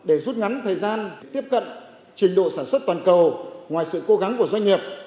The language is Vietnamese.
để rút ngắn thời gian tiếp cận trình độ sản xuất toàn cầu ngoài sự cố gắng của doanh nghiệp